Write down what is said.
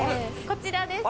こちらです。